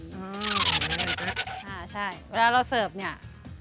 อ้าใช่เวลาเราเสิร์ฟเนี่ย